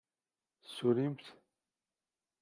Tessullimt?